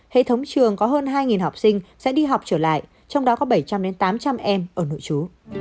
hệ thống trường có hơn hai học sinh sẽ đi học trở lại trong đó có bảy trăm linh tám trăm linh em ở nội trú